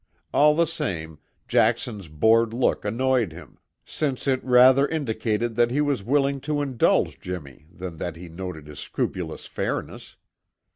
All the same, Jackson's bored look annoyed him, since it rather indicated that he was willing to indulge Jimmy than that he noted his scrupulous fairness.